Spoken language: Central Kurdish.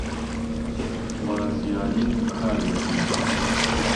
خوازیارین و کار دەکەین